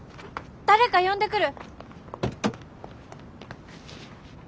誰か呼んでくる！